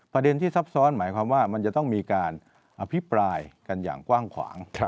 ประเด็นที่ซับซ้อนหมายความว่ามันจะต้องมีการอภิปรายกันอย่างกว้างขวาง